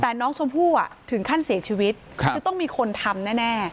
แต่น้องชมพู่อ่ะถึงขั้นเสียชีวิตครับจะต้องมีคนทำแน่แน่